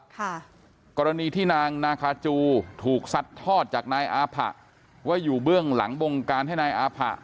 กรณีที่นางนาคาจูถูกซัดทอดจากนายอาผะว่าอยู่เบื้องหลังบงการให้นายอาผะ